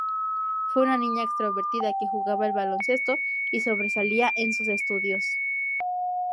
Fue una niña extrovertida que jugaba al baloncesto y sobresalía en sus estudios.